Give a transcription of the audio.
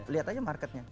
lihat aja marketnya